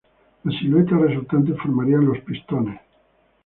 Las siluetas resultantes formarían los "Pistones".